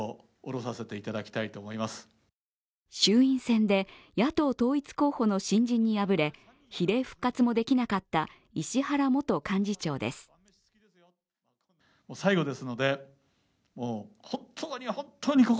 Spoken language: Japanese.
衆院選で野党統一候補の新人に敗れ比例復活もできなかった石原元幹事長です。